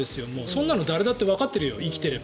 そんなの誰だって生きてればわかってるよ。